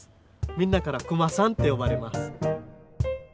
みんなからクマさんって呼ばれます。